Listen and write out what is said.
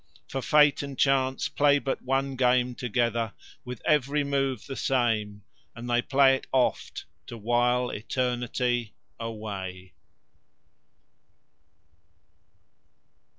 For Fate and Chance play but one game together with every move the same, and they play it oft to while eternity away.